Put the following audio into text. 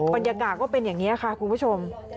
บรรยากาศก็เป็นอย่างนี้ค่ะคุณผู้ชม